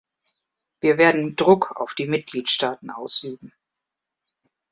Wir werden Druck auf die Mitgliedstaaten ausüben.